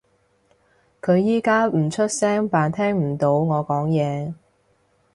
佢而家唔出聲扮聽唔到我講嘢